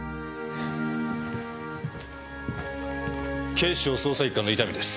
警視庁捜査一課の伊丹です。